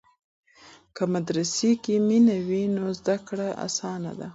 که مدرسې کې مینه وي نو زده کړه اسانه ده.